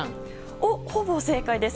おお、ほぼ正解です。